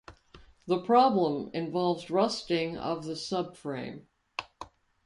The problem involves rusting of the subframe.